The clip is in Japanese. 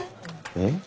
えっ？